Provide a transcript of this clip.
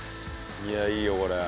いやいいよこれ。